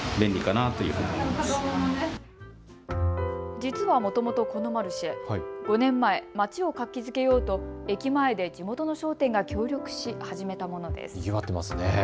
実はもともと、このマルシェ、５年前、街を活気づけようと駅前で地元の商店が協力し始めたものです。